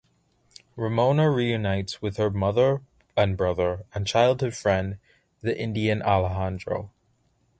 Ramona reunites with her mother and brother and childhood friend, the Indian Alejandro.